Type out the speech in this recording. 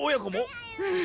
うん！